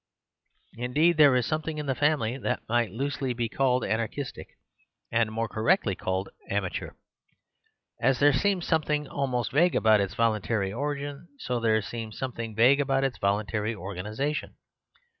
Indeed, there is something in the family that might loosely be called anarchist; and more correctly called amateur. As there seems something almost vague about its volun tary origin, so there seems something vague about its voluntary organisation.